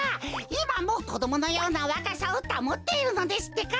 いまもこどものようなわかさをたもっているのですってか。